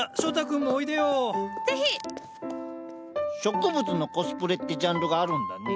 植物のコスプレってジャンルがあるんだね。